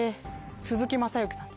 鈴木雅之さん。